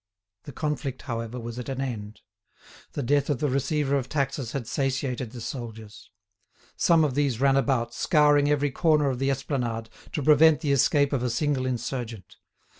The conflict, however, was at an end. The death of the receiver of taxes had satiated the soldiers. Some of these ran about, scouring every corner of the esplanade, to prevent the escape of a single insurgent.